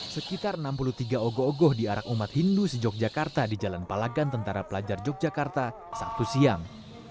sekitar enam puluh tiga ogo ogoh diarak umat hindu se yogyakarta di jalan palagan tentara pelajar yogyakarta sabtu siang